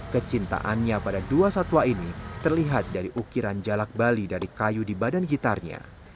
kecintaannya pada dua satwa ini terlihat dari ukiran jalak bali dari kayu di badan gitarnya